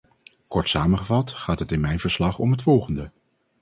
Kort samengevat gaat het in mijn verslag om het volgende.